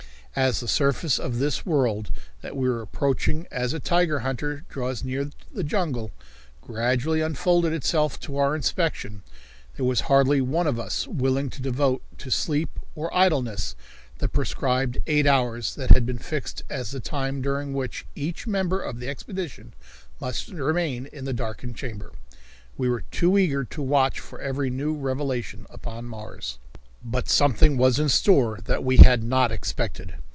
As the surface of this world, that we were approaching as a tiger hunter draws near the jungle, gradually unfolded itself to our inspection, there was hardly one of us willing to devote to sleep or idleness the prescribed eight hours that had been fixed as the time during which each member of the expedition must remain in the darkened chamber. We were too eager to watch for every new revelation upon Mars. But something was in store that we had not expected.